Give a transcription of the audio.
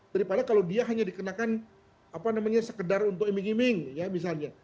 daripada kalau dia hanya dikenakan apa namanya sekedar untuk iming iming ya misalnya